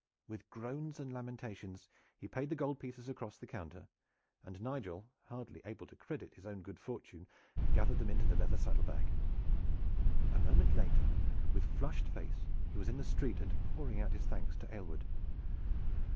With groans and lamentations he paid the gold pieces across the counter, and Nigel, hardly able to credit his own good fortune, gathered them into the leather saddle bag. A moment later with flushed face he was in the street and pouring out his thanks to Aylward.